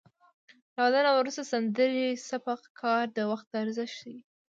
له واده نه وروسته سندرې څه په کار د وخت ارزښت ښيي